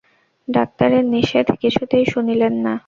ডাক্তারের নিষেধ কিছুতেই শুনিলেন না।